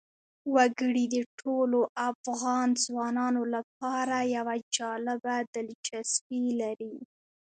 وګړي د ټولو افغان ځوانانو لپاره یوه جالبه دلچسپي لري.